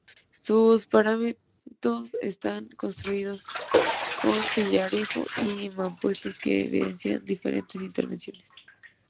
Sus paramentos están construidos con sillarejo y mampuestos, que evidencian diferentes intervenciones.